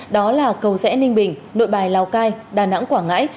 đó là cầu rẽ ninh bình nội bài lào cai đà nẵng quảng ngãi